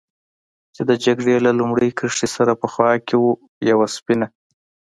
چې د جګړې له لومړۍ کرښې سره په خوا کې و، یوه سپینه.